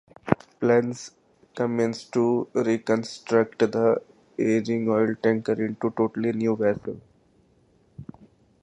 Plans commenced to reconstruct the aging oil tanker into a totally new vessel.